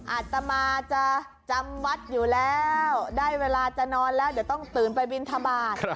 อาตมาจะจำวัดอยู่แล้วได้เวลาจะนอนแล้วเดี๋ยวต้องตื่นไปบินทบาท